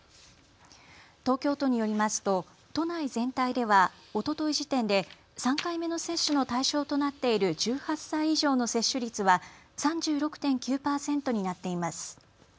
東京都によりますと都内全体ではおととい時点で３回目の接種の対象となっている１８歳以上の接種率は３６．９％になっています。